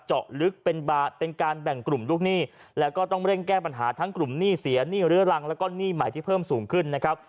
เจาะลึกเป็นบาทเป็นการแบ่งกลุ่มลูกหนี้แล้วก็ต้องเร่งแก้ปัญหาทั้งกลุ่มหนี้เสียหนี้เรื้อรังแล้วก็หนี้ใหม่ที่เพิ่มสูงขึ้นนะครับ